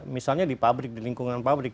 misalnya di pabrik di lingkungan pabrik